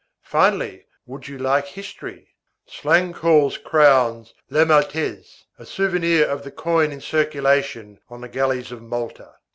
Finally, would you like history? Slang calls crowns les maltèses, a souvenir of the coin in circulation on the galleys of Malta.